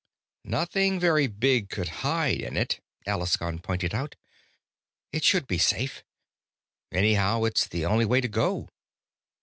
"Nothing very big could hide in it," Alaskon pointed out. "It should be safe. Anyhow it's the only way to go."